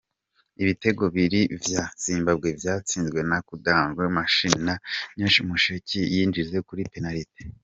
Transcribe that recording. Ibitego bibiri vya Zimbabwe vyatsinzwe na Kudakwashe Mahachi na Nyasha Mushekwi, yinjije kuri penaliti.